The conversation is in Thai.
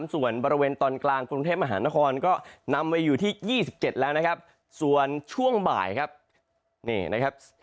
ส่วนบริเวณตอนกลางกรุงเทพมหานครก็นำไปอยู่ที่๒๗แล้วนะครับส่วนช่วงบ่ายครับนี่นะครับ